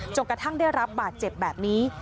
กระทั่งได้รับบาดเจ็บแบบนี้